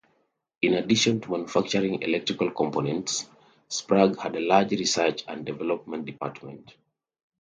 In addition to manufacturing electrical components, Sprague had a large research and development department.